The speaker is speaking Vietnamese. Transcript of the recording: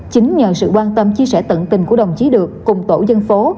chính nhờ sự quan tâm chia sẻ tận tình của đồng chí được cùng tổ dân phố